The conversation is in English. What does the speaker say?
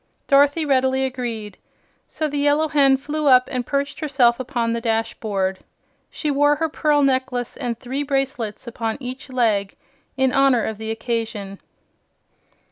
Dorothy readily agreed, so the Yellow Hen flew up and perched herself upon the dashboard. She wore her pearl necklace and three bracelets upon each leg, in honor of the occasion.